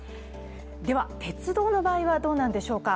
では鉄道の場合はどうなんでしょうか。